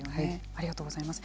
ありがとうございます。